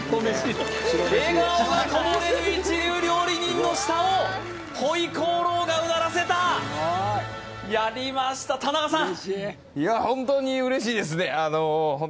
笑顔がこぼれる一流料理人の舌を回鍋肉がうならせたやりました田中さん